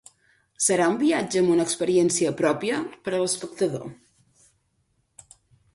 Serà un viatge amb una experiència pròpia per a l'espectador.